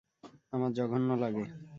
আমার জঘন্য লাগে।